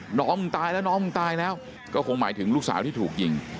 น้องมึงตายแล้วน้องมึงตายแล้วก็คงหมายถึงลูกสาวที่ถูกยิง